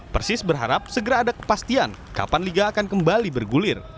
persis berharap segera ada kepastian kapan liga akan kembali bergulir